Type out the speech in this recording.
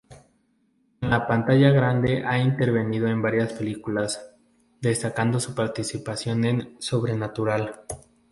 En la pantalla grande ha intervenido en varias películas, destacando su participación en "Sobrenatural".